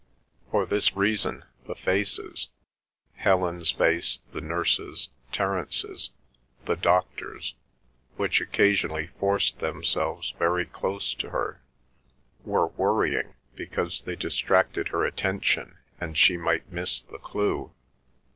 For this reason, the faces,—Helen's face, the nurse's, Terence's, the doctor's,—which occasionally forced themselves very close to her, were worrying because they distracted her attention and she might miss the clue.